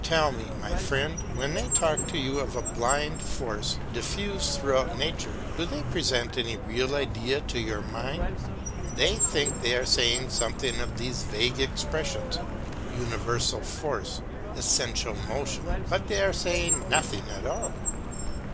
Tell me, my friend, when they talk to you of a blind force diffused throughout nature, do they present any real idea to your mind? They think they are saying something by these vague expressions universal force, essential motion but they are saying nothing at all.